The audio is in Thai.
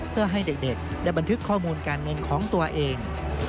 เพื่อให้เด็กได้บันทึกข้อมูลการเงินของตัวเอง